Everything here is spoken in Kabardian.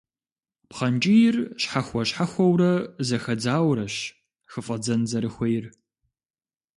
Пхъэнкӏийр, щхьэхуэ-щхьэхуэурэ зэхэдзаурэщ хыфӏэдзэн зэрыхуейр.